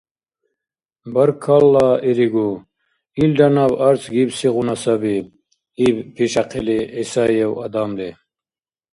— Баркалла иригу, илра наб арц гибсигъуна саби, — иб, пишяхъили, ГӀисаев Адамли.